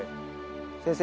先生。